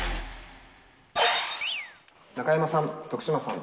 中山さん、徳島さん。